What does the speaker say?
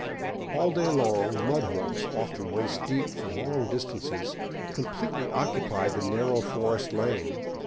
All day long, mud holes, often waist deep for long distances, completely occupied the narrow forest lane.